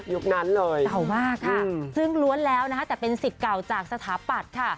นั้นเลยเก่ามากค่ะซึ่งล้วนแล้วนะคะแต่เป็นสิทธิ์เก่าจากสถาปัตย์ค่ะ